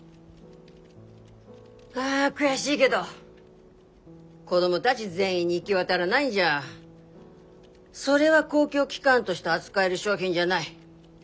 あ悔しいげど子供だぢ全員に行ぎ渡らないんじゃそれは公共機関として扱える商品じゃない。